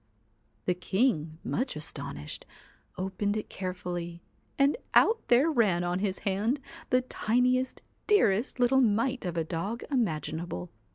The king, much astonished, opened it carefully and out there ran on his hand the tiniest, dearest little mite of a dog imaginable.